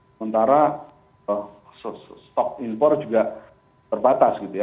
sementara stok impor juga terbatas gitu ya